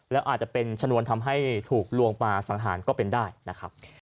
แล้วอาจจะเป็นชนวนทำให้ถูกลวงมาสังหารก็เป็นได้นะครับ